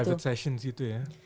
private session gitu ya